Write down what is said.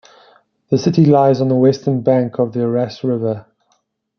The city lies on the western bank of the Aras River.